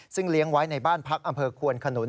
ซึ่งเลี้ยงไว้ในบ้านพักอำเภอควนขนุน